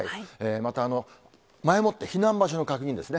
また、前もって避難場所の確認ですね。